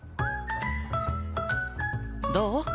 どう？